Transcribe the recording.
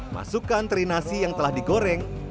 masukkan teri nasi yang telah digoreng